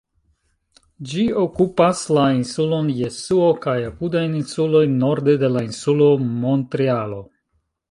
Ĝi okupas la insulon Jesuo kaj apudajn insulojn, norde de la insulo Montrealo.